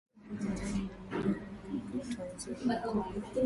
aarifa habari na moja kwa moja tuanzie huko